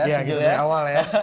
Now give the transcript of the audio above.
iya gitu dari awal ya